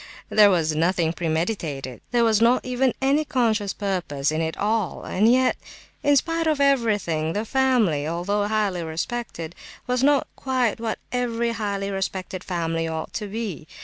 There was nothing premeditated, there was not even any conscious purpose in it all, and yet, in spite of everything, the family, although highly respected, was not quite what every highly respected family ought to be.